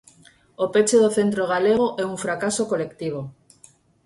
O peche do Centro Galego é un fracaso colectivo.